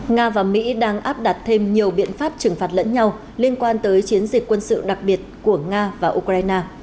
nga và mỹ đang áp đặt thêm nhiều biện pháp trừng phạt lẫn nhau liên quan tới chiến dịch quân sự đặc biệt của nga và ukraine